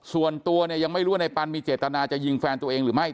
ส่วนตัวเนี่ยยังไม่รู้ว่าในปันมีเจตนาจะยิงแฟนตัวเองหรือไม่